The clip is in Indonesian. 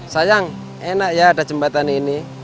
sayang enak ya ada jembatan ini